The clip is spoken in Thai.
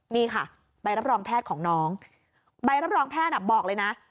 นี่ค่ะใบรับรองแพทย์ของน้องใบรับรองแพทย์บอกเลยนะ